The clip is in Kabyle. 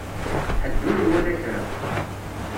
Ḥedd ur iwala kra.